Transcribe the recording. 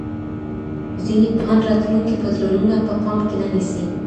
ځیني پوهان راتلونکي بدلونونه په پام کي نه نیسي.